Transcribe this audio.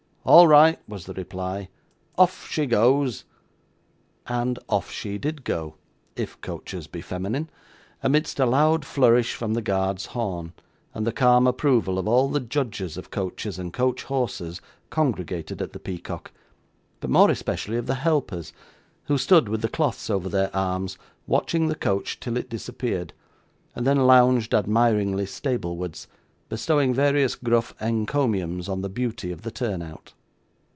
'All right,' was the reply. 'Off she goes!' And off she did go if coaches be feminine amidst a loud flourish from the guard's horn, and the calm approval of all the judges of coaches and coach horses congregated at the Peacock, but more especially of the helpers, who stood, with the cloths over their arms, watching the coach till it disappeared, and then lounged admiringly stablewards, bestowing various gruff encomiums on the beauty of the turn out.